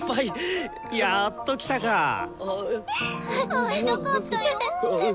会いたかったよ！